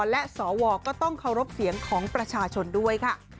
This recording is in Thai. และสวก็ต้องเคารพเสียงของประชาชนด้วยค่ะ